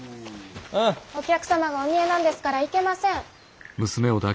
お客様がお見えなんですからいけません。